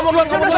aku mau kemana